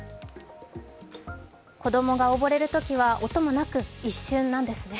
子供が溺れるときは音もなく一瞬なんですね。